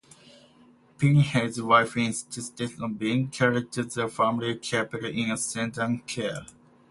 Pinhey's wife insisted on being carried to their family chapel in a sedan chair.